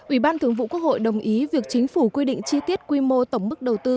ủy ban thường vụ quốc hội đồng ý việc chính phủ quy định chi tiết quy mô tổng mức đầu tư